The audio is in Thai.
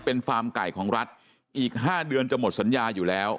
เป็นฟาร์มไก่ของรัฐอีก๕เดือนจะหมดสัญญาอยู่แล้ว